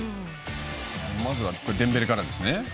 まずはデンベレからですね。